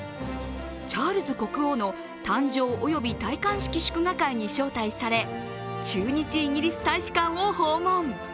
チャールズ国王の誕生及び戴冠式祝賀会に招待され、駐日イギリス大使館を訪問。